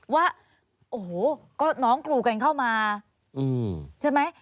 ว่าโอ้โหก็น้องกรูกันเข้ามาใช่ไหม